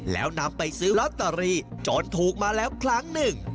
แล้วนำไปซื้อลอตเตอรี่จนถูกมาแล้วครั้งหนึ่ง